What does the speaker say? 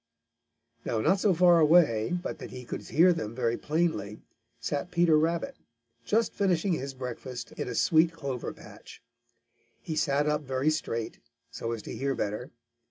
Now not so far away but that he could hear them very plainly sat Peter Rabbit, just finishing his breakfast in a sweet clover patch. He sat up very straight, so as to hear better.